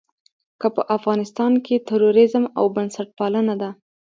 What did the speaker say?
که په افغانستان کې تروريزم او بنسټپالنه ده.